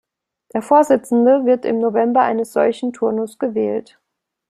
Der Vorsitzende wird im November eines solchen Turnus gewählt.